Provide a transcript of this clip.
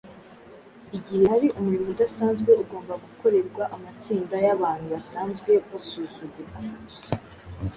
igihe hari umurimo udasanzwe ugomba gukorerwa amatsinda y’abantu basanzwe basuzugurwa,